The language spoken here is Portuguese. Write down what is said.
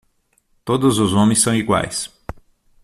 Todos os homens são iguais.